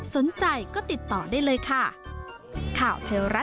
สนใจก็ติดต่อได้เลยค่ะ